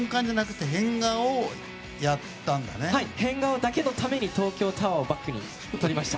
変顔だけのために東京タワーをバックに撮りました。